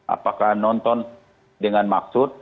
apakah nonton dengan maksud